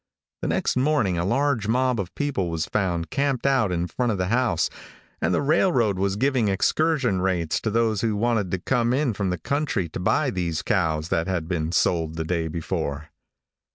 The next morning a large mob of people was found camped out in front of the house, and the railroad was giving excursion rates to those who wanted to come in from the country to buy these cows that had been sold the day before.